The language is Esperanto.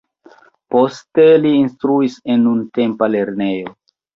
Poste li instruis en nuntempa lernejo.